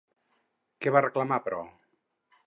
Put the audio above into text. Què va reclamar, però?